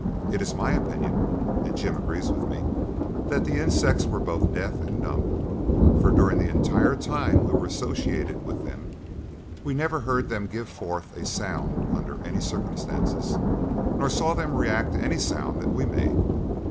It is my opinion, and Jim agrees with me, that the insects were both deaf and dumb, for during the entire time we were associated with them, we never heard them give forth a sound under any circumstances, nor saw them react to any sound that we made.